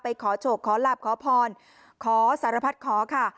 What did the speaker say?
ขอโชคขอหลับขอพรขอสารพัดขอค่ะ